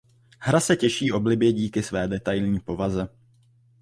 Hra se těší oblibě díky své detailní povaze.